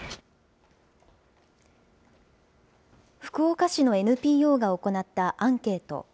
福岡市のＮＰＯが行ったアンケート。